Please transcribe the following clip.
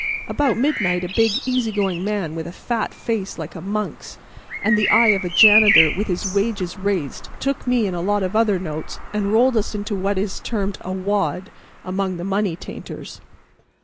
About midnight a big, easy going man with a fat face like a monk's and the eye of a janitor with his wages raised took me and a lot of other notes and rolled us into what is termed a "wad" among the money tainters.